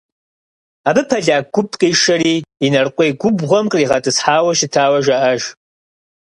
Абы поляк гуп къишэри Инарыкъуей губгъуэм къригъэтӏысхьауэ щытауэ жаӏэж.